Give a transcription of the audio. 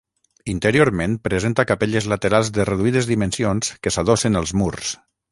Interiorment presenta capelles laterals de reduïdes dimensions que s'adossen als murs.